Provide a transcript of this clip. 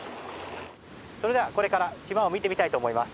それではこれから島を見てみたいと思います。